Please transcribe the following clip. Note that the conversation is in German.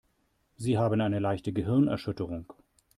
Sie haben eine leichte Gehirnerschütterung.